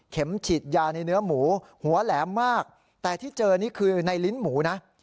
ฉีดยาในเนื้อหมูหัวแหลมมากแต่ที่เจอนี่คือในลิ้นหมูนะ